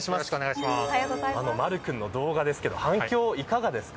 まる君の動画ですけど反響いかがですか。